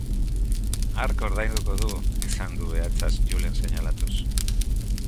Hark ordainduko du, esan du behatzaz Julen seinalatuz.